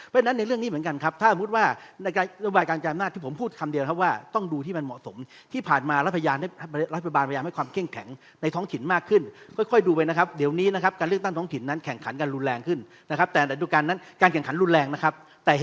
เพราะฉะนั้นในเรื่องนี้เหมือนกันครับ